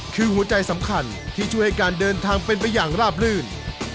คือหัวใจสำคัญที่ช่วยให้การเดินทางเป็นไปอย่างราบรื่น